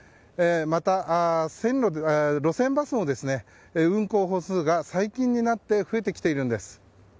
また、路線バスも運行本数が最近になって増えてきているんです。